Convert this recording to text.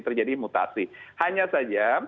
terjadi mutasi hanya saja